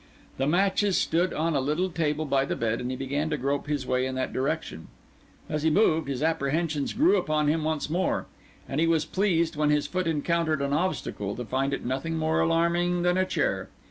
The matches stood on a little table by the bed, and he began to grope his way in that direction. As he moved, his apprehensions grew upon him once more, and he was pleased, when his foot encountered an obstacle, to find it nothing more alarming than a chair.